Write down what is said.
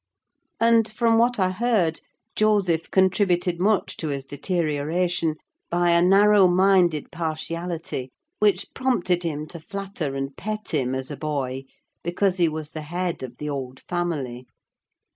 And from what I heard, Joseph contributed much to his deterioration, by a narrow minded partiality which prompted him to flatter and pet him, as a boy, because he was the head of the old family.